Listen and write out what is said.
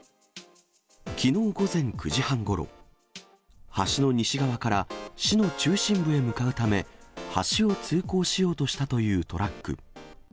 きのう午前９時半ごろ、橋の西側から市の中心部へ向かうため、橋を通行しようとしたというトラック。